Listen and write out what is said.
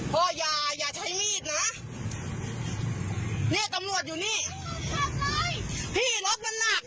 พ่อยอย่าใช้มีดนะนี่ตำรวจอยู่นี่พี่รถมันนักนะพี่